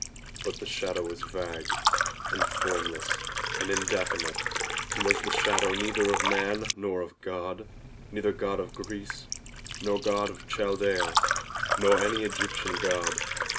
But the shadow was vague, and formless, and indefinite, and was the shadow neither of man nor of God—neither God of Greece, nor God of Chaldaea, nor any Egyptian God.